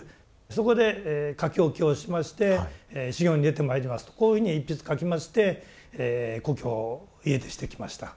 そこで書き置きをしまして「修行に出て参ります」とこういうふうに一筆書きまして故郷を家出してきました。